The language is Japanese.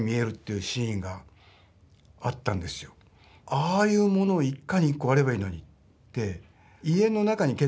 ああいうものを一家に一個あればいいのにって。